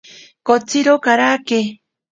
Kotsiro karake.